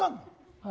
はい。